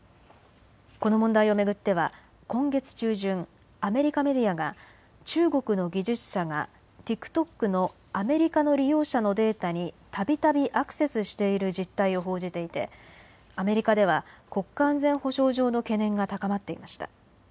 この問題を巡っては今月中旬、アメリカメディアが中国の技術者がＴｉｋＴｏｋのアメリカの利用者のデータにたびたびアクセスしている実態を報じていてアメリカでは国家安全保障上の懸念が高まっていました。